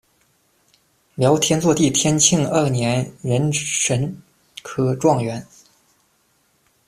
辽天祚帝天庆二年壬辰科状元。